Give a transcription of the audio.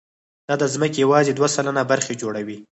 دا د ځمکې یواځې دوه سلنه برخه جوړوي.